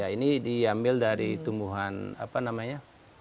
ini diambil dari tumbuhan apa namanya